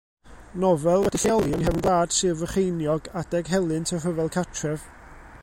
Nofel wedi'i lleoli yng nghefn gwlad Sir Frycheiniog adeg helynt y Rhyfel Cartref.